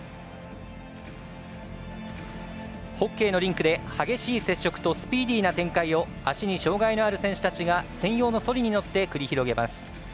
ホッケーのリンクで激しい接触とスピーディーな展開を足に障がいのある選手たちが専用のそりに乗って繰り広げます。